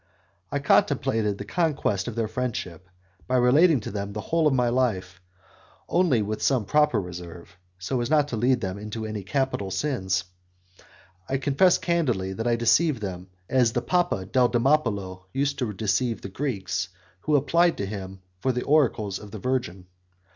I completed the conquest of their friendship by relating to them the whole of my life, only with some proper reserve, so as not to lead them into any capital sins. I confess candidly that I deceived them, as the Papa Deldimopulo used to deceive the Greeks who applied to him for the oracles of the Virgin.